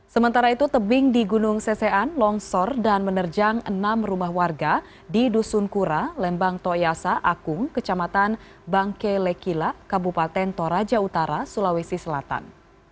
sementara itu tebing di gunung sesean longsor dan menerjang enam rumah warga di dusun kura lembang toyasa akung kecamatan bangke lekila kabupaten toraja utara sulawesi selatan